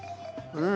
うん！